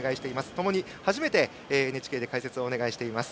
共に初めてＮＨＫで解説をお願いしています。